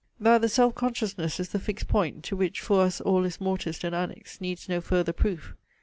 That the self consciousness is the fixed point, to which for us all is mortised and annexed, needs no further proof.